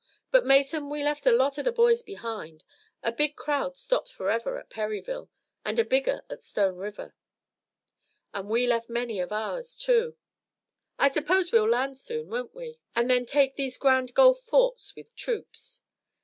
But, Mason, we left a lot of the boys behind. A big crowd stopped forever at Perryville, and a bigger at Stone River." "And we left many of ours, too. I suppose we'll land soon, won't we, and then take these Grand Gulf forts with troops."